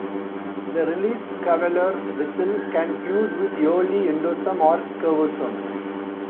The released caveolar vesicle can fuse with early endosome or caveosome.